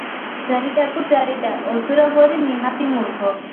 ଚାରିଟାକୁ ଚାରିଟା ଅସୁର ପରି ନିହାତି ମୂର୍ଖ ।